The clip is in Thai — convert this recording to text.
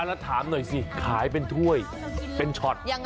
อันล่ะถามหน่อยซิขายเป็นถ้วยเป็นชอต